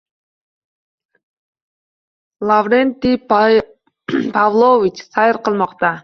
Lavrentiy Pavlovich sayr qilmoqda!..